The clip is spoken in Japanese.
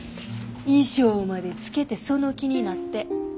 衣装までつけてその気になって。